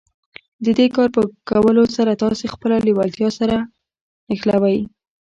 د دې کار په کولو سره تاسې خپله لېوالتیا سره نښلوئ.